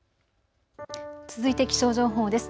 続いて気象情報です。